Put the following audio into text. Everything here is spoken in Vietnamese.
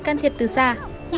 xác con này đi